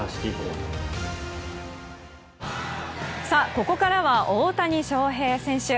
ここからは大谷翔平選手。